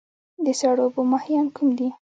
د سړو اوبو ماهیان کوم دي؟